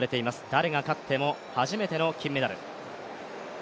誰が勝っても初めての金メダル。